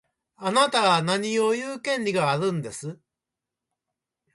あなたが何を言う権利があるんです。